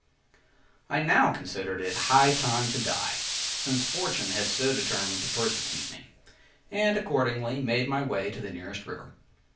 I now considered it high time to die, (since fortune had so determined to persecute me,) and accordingly made my way to the nearest river.